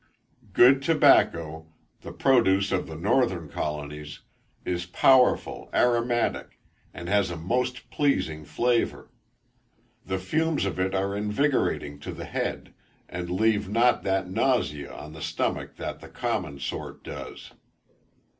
Good tobacco, the produce of the northern colonies, is powerful, aromatic, and has a most pleasing flavour. The fumes of it are invigorating to the head, and leave not that nausea on the stomach that the common sort does.